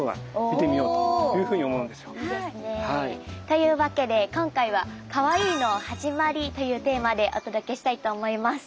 というわけで今回は「かわいいの始まり」というテーマでお届けしたいと思います。